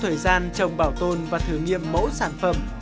thời gian trồng bảo tồn và thử nghiệm mẫu sản phẩm